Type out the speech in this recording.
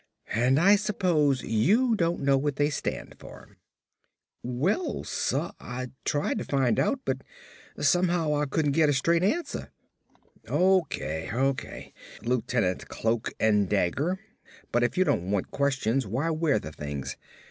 "And I suppose you don't know what they stand for." "Well, suh, Ah tried to find out but somehow Ah couldn't get a straight ansuh." "O.K., O.K., Lieutenant Cloak and Dagger, but if you don't want questions why wear the things?